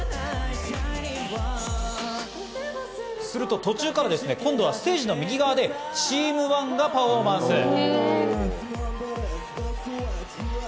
すると途中からですね今度はステージの右側でチームＯｎｅがパフォーマンス。